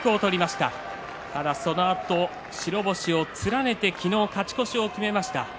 ただそのあと白星を連ねて昨日勝ち越しを決めました。